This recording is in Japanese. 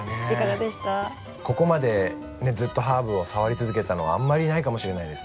ここまでずっとハーブを触り続けたのはあんまりないかもしれないです。